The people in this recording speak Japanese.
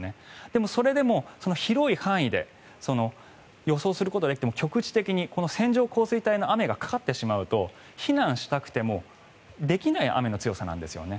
でも、それでも広い範囲で予想することはできても局地的にこの線状降水帯の雨がかかってしまうと避難したくてもできない雨の強さなんですよね。